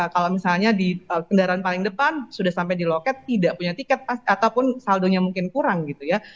kalau misalnya di kendaraan paling depan sudah sampai di loket tidak punya tiket ataupun saldonya mungkin kurang gitu ya